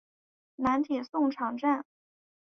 南铁送场站。